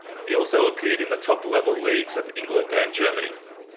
He also appeared in the top level leagues of England and Germany.